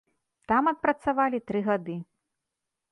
Там адпрацавалі тры гады.